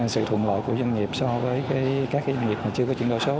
sự thuận lợi của doanh nghiệp so với các doanh nghiệp chưa có chuyển đổi số